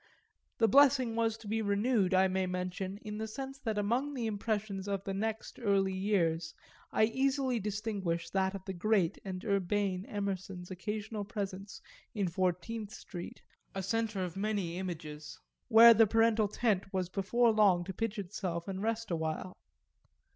The blessing was to be renewed, I may mention, in the sense that among the impressions of the next early years I easily distinguish that of the great and urbane Emerson's occasional presence in Fourteenth Street, a centre of many images, where the parental tent was before long to pitch itself and rest awhile.